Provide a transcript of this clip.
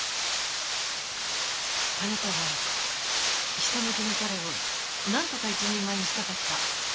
あなたはひたむきな彼をなんとか一人前にしたかった。